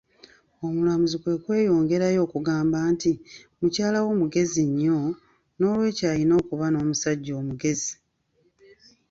Omulamuzi kwe kweyongerayo okugamba nti, mukyala wo mugezi nnyo, n'olwekyo ayina okuba n'omusajja omugezi.